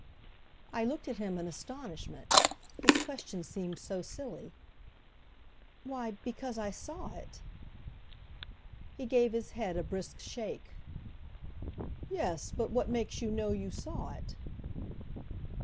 I looked at him in astonishment, his question seemed so silly. "Why, because I saw it." He gave his head a brisk shake. "Yes, but what makes you know you saw it?"